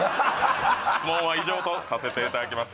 質問は以上とさせていただきます